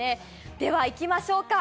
ではいきましょうか。